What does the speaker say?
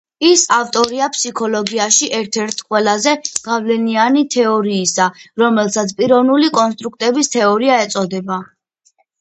ის ავტორია ფსიქოლოგიაში ერთ-ერთ ყველაზე გავლენიანი თეორიისა, რომელსაც „პიროვნული კონსტრუქტების თეორია“ ეწოდება.